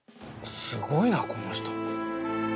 すごいなこの人。